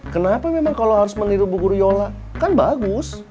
kenapa memang kalo harus meniru bu guru yola kan bagus